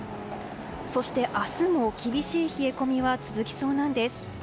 そして明日も厳しい冷え込みは続きそうなんです。